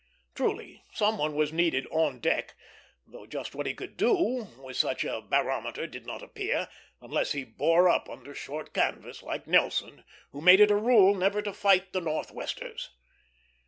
Truly some one was needed "on deck;" though just what he could do with such a barometer did not appear, unless he bore up under short canvas, like Nelson, who "made it a rule never to fight the northwesters."